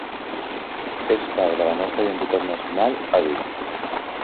És part de la nostra identitat nacional, ha dit.